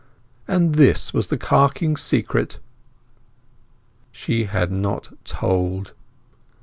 And this was the carking secret!" She had not told.